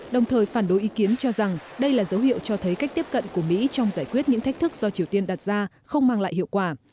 đồng thời phản đối ý kiến cho rằng đây là dấu hiệu cho thấy cách tiếp cận của mỹ trong giải quyết những thách thức do triều tiên đặt ra không mang lại hiệu quả